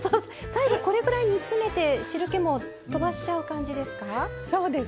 最後、これくらい煮詰めて汁けもとばしちゃう感じですか？